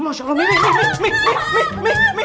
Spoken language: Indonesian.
masya allah mimi